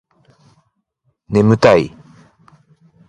眠たい